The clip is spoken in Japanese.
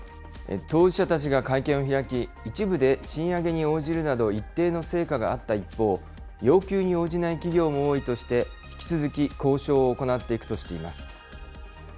当事者たちが会見を開き、一部で賃上げに応じるなど一定の成果があった一方、要求に応じない企業も多いとして、引き続き交渉を行っていくとしています。